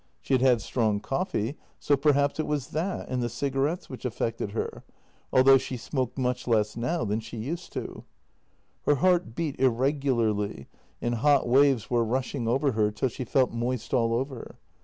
She had had strong coffee, so perhaps it was that and the cig arettes which affected her, although she smoked much less now than she used to. Her heart beat irregularly, and hot waves were rushing over her till she felt moist all over.